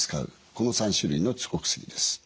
この３種類のお薬です。